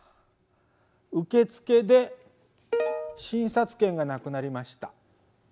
受付で診察券がなくなりました。